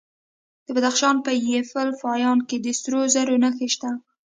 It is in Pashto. د بدخشان په یفتل پایان کې د سرو زرو نښې شته.